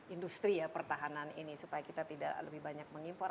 industri ya pertahanan ini supaya kita tidak lebih banyak mengimpor